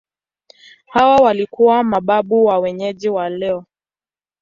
Hawa walikuwa mababu wa wenyeji wa leo.